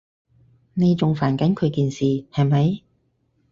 你仲煩緊佢件事，係咪？